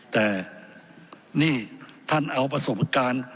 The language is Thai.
แต่นี่ท่านเอาประสบการณ์